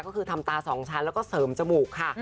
ก็คือทำตา๒ชั้นแล้วก็เสริมจมูกค่ะ